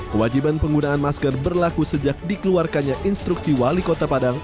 kewajiban penggunaan masker berlaku sejak dikeluarkannya instruksi wali kota padang